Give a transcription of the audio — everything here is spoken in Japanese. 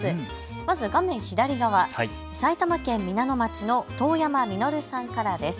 まず画面左側、埼玉県皆野町の遠山未乃留さんからです。